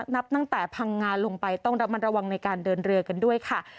นับตั้งแต่พังงาลงไปต้องระมัดระวังในการเดินเรือกันด้วยค่ะ